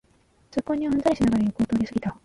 通行人はうんざりしながら横を通りすぎた